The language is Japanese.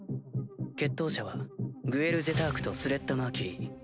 決闘者はグエル・ジェタークとスレッタ・マーキュリー。